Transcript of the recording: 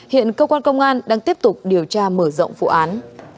hiện cơ quan công an đang tiếp tục điều tra mở rộng vụ án